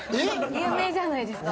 有名じゃないですか？